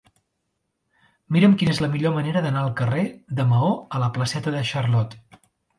Mira'm quina és la millor manera d'anar del carrer de Maó a la placeta de Charlot.